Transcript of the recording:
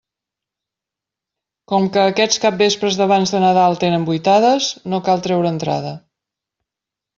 Com que aquests capvespres d'abans de Nadal tenen vuitades, no cal traure entrada.